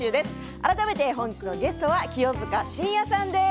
改めて本日のゲストは清塚信也さんです。